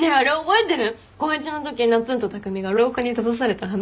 高１のときなっつんと匠が廊下に立たされた話。